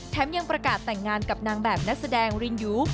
ยังประกาศแต่งงานกับนางแบบนักแสดงรินยู